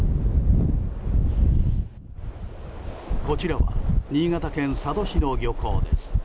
こちらは新潟県佐渡市の漁港です。